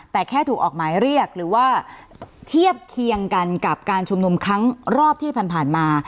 แต่แค่ถูกออกหมายเรียกหรือว่าเทียบเคียงกันกับการชุมนุมครั้งรอบที่ผ่านมา